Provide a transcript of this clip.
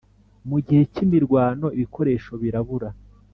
Mu gihe cy imirwano ibikoresho birabura